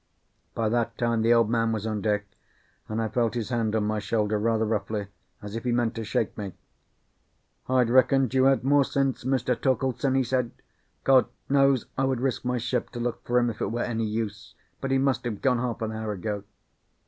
By that time the Old Man was on deck, and I felt his hand on my shoulder rather roughly, as if he meant to shake me. "I'd reckoned you had more sense, Mr. Torkeldsen," he said. "God knows I would risk my ship to look for him, if it were any use; but he must have gone half an hour ago."